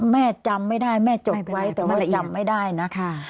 แม่จำไม่ได้แม่จบไว้แต่ว่าจำไม่ได้นะคะ